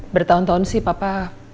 bertahun tahun sih papa